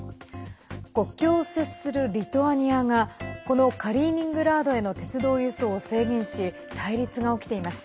国境を接するリトアニアがこのカリーニングラードへの鉄道輸送を制限し対立が起きています。